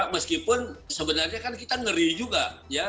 meskipun sebenarnya kan kita ngeri juga ya